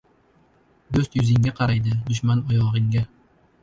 • Do‘st yuzingga qaraydi, dushman ― oyog‘ingga.